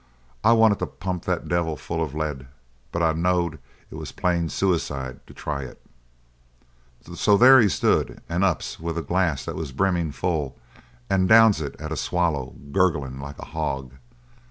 I wanted to pump that devil full of lead, but I knowed it was plain suicide to try it. "So there he stood and ups with a glass that was brimmin' full, and downs it at a swallow gurglin' like a hog!